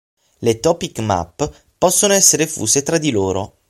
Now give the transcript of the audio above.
Le topic map possono essere fuse tra di loro.